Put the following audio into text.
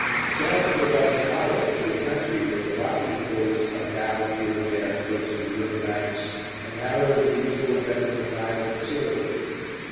Sailed for about an hour through a country where the rocky hills come down here and there close to the river banks and narrowed the usual breadth of the Nile considerably.